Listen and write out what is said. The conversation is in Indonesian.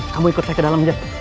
kamu ikut saya ke dalam jet